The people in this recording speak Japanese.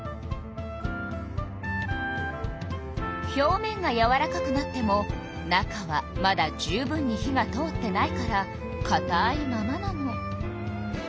表面がやわらかくなっても中はまだ十分に火が通ってないからかたいままなの。